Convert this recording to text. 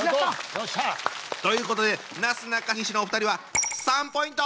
よっしゃ！ということでなすなかにしのお二人は３ポイント！